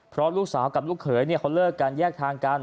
เพราะลูกสาวกับลูกเขยเขาเลิกกันแยกทางกัน